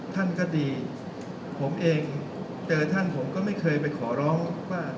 ท่านก็ดีผมเองเจอท่านผมก็ไม่เคยไปขอร้องว่า